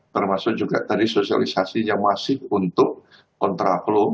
termasuk juga tadi sosialisasi yang masih untuk kontra flow